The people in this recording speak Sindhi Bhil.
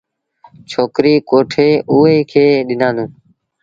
ڇوڪريٚ ڪوٺي اُئي کي ڏنآندون۔